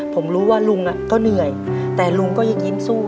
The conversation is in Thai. ผมรู้ว่าลุงก็เหนื่อยแต่ลุงก็ยังยิ้มสู้